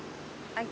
はい。